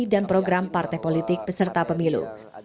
dan program partai politik beserta pemilu